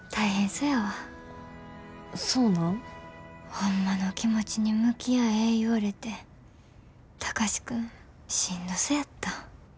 ホンマの気持ちに向き合え言われて貴司君しんどそやった。